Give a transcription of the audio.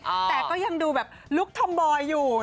แต่ก็ยังดูแบบลุคธอมบอยอยู่